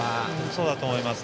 そうだと思います。